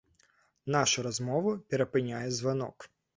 Нашу размову перапыняе званок.